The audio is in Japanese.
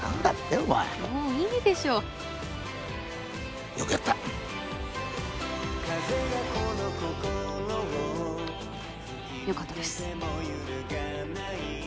お前もういいでしょうよくやったよかったです